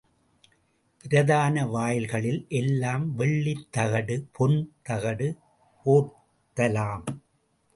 பிரதான வாயில்களில் எல்லாம் வெள்ளித் தகடு, பொன் தகடு போர்த்தலாம்.